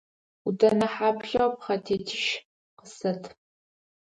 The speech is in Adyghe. Ӏудэнэ хьаплъэу пхъэтетищ къысэт.